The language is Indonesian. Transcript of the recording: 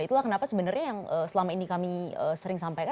itulah kenapa sebenarnya yang selama ini kami sering sampaikan